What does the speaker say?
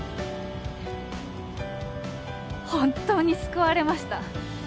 本当に救われました。